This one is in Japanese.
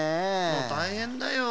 もうたいへんだよ。